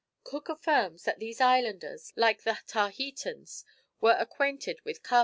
Cook affirms that these islanders, like the Tahitans, were acquainted with "Kaba."